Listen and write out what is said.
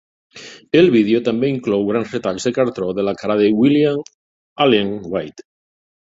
El vídeo també inclou grans retalls de cartró de la cara de William Allen White.